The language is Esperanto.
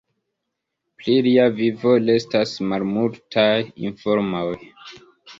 Pri lia vivo restas malmultaj informoj.